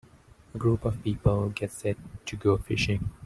A group of people get set to go fishing.